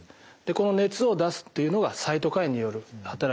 この熱を出すっていうのがサイトカインによる働きなんですね。